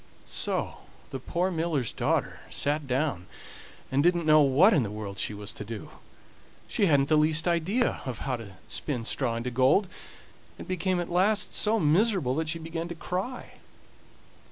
So the poor miller's daughter sat down, and didn't know what in the world she was to do. She hadn't the least idea of how to spin straw into gold, and became at last so miserable that she began to cry.